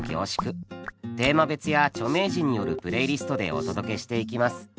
テーマ別や著名人によるプレイリストでお届けしていきます。